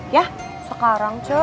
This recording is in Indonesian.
ya sekarang cu